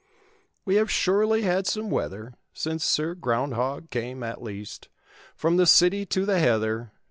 We have surely had some weather, Since Sir Groundhog came, at least; From the city to the heather.